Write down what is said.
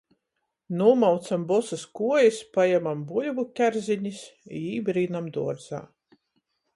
Nūmaucam bosys kuojis, pajamam buļvu kerzinis i ībrīnam duorzā.